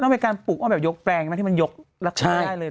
ขนไปการปลูกยกแปรงมาที่มันยกแล้วคล่ายเลย